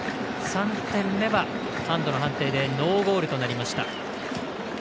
３点目はハンドの判定でノーゴールとなりました。